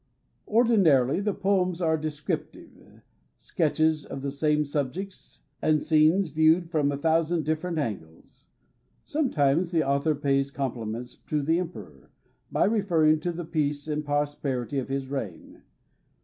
Ordinarily, the poems are descrip tive— sketches of the same objects and scene viewed from a thousand differ ent angles. Sometimes the author pays compliments to the Emperor, by referring to the peace and prosperity of his reign.